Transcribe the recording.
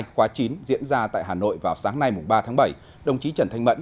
khóa chín diễn ra tại hà nội vào sáng nay ba tháng bảy đồng chí trần thanh mẫn